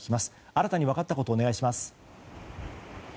新たに分かったことをお願いします。